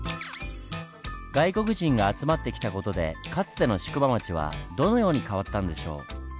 外国人が集まってきた事でかつての宿場町はどのように変わったんでしょう？